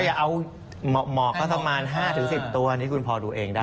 อย่าเอาหมอกก็ประมาณ๕๑๐ตัวนี่คุณพอดูเองได้